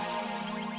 bungung aja poe